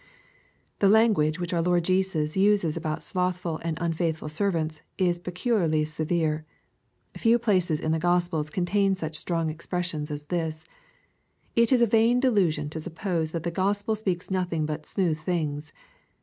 The language which our Lord Jesus uses about slothful and unfaithful servants, is peculiarly severe. Few places HI the Gospels contain such strong expressions as this It is a vain delusion to suppose that the Gospel speaks nothing but "smooth things."